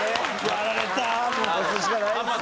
やられた。